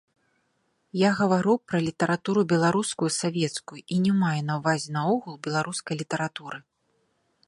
Я гавару пра літаратуру беларускую савецкую і не маю на ўвазе наогул беларускай літаратуры.